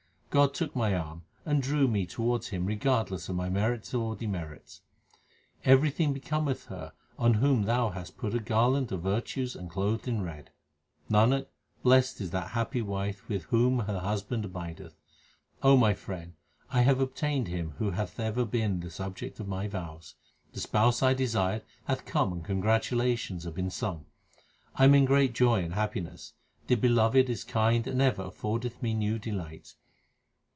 God took my arm and drew me towards Him regardless of my merits or demerits. HYMNS OF GURU ARJAN 369 Everything becometh her on whom Thou hast put a garland of virtues and clothed in red. 1 Nanak, blessed is that happy wife with whom her Husband abideth. my friend, I have obtained Him who hath ever been the object of my vows. The Spouse I desired hath come and congratulations have been sung. 1 am in great joy and happiness ; the Beloved is kind and ever affordeth me new delight.